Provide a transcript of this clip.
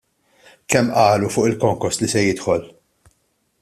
Kemm qalu fuq il-konkos li se jidħol!